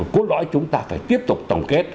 cốt lõi chúng ta phải tiếp tục tổng kết